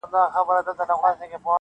داسي سفردی پرنمبرباندي وردرومي هرڅوک,